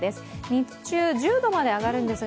日中、１０度まで上がるんですが、